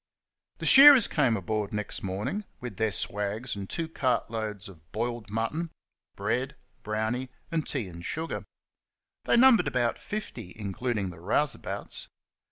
The shearers came aboard next morning, with their swags and two cartloads of boiled mutton, bread, 62 THE DARLING RIVER "brownie/' and tea and sugar. They numbered about fifty, including the rouseabouts.